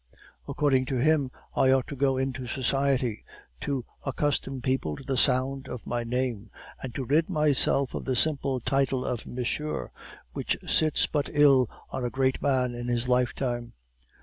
According to him, I ought to go into society, to accustom people to the sound of my name, and to rid myself of the simple title of 'monsieur' which sits but ill on a great man in his lifetime.